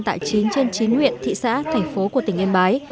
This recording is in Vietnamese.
tại chín trên chín huyện thị xã thành phố của tỉnh yên bái